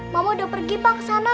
mama udah pergi pak kesana